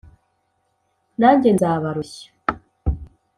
Nanjye nzabarushya